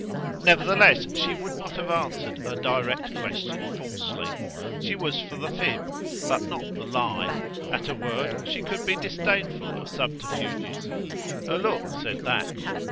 Nevertheless, she would not have answered a direct question falsely. She was for the fib, but not the lie; at a word she could be disdainful of subterfuges. Her look said that.